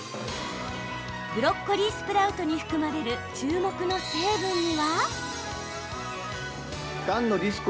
ブロッコリースプラウトに含まれる注目の成分には。